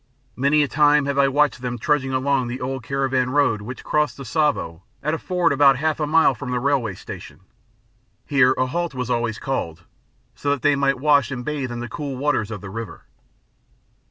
Many a time have I watched them trudging along the old caravan road which crossed the Tsavo at a ford about half a mile from the railway station: here a halt was always called, so that they might wash and bathe in the cool waters of the river.